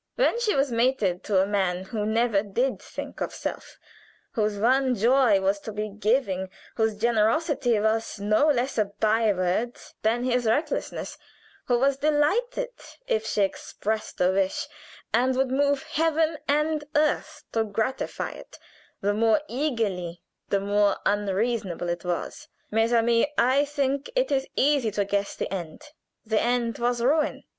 When she was mated to a man who never did think of self whose one joy was to be giving, whose generosity was no less a by word than his recklessness, who was delighted if she expressed a wish, and would move heaven and earth to gratify it; the more eagerly the more unreasonable it was mes amis, I think it is easy to guess the end the end was ruin.